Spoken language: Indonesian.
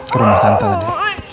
ke rumah tante tadi